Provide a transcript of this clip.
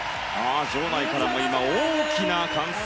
場内からも今、大きな歓声。